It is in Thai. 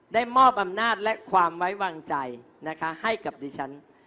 ได้มอบอำนาจและความไว้วางใจนะคะให้กับดิฉัน